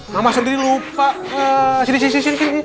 nama sendiri lupa ke sini